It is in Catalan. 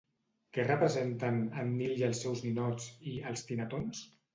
Què representen "En Nil i els seus Ninots" i "Els Tinatons"?